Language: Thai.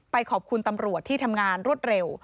ขอบคุณตำรวจที่ทำงานรวดเร็ว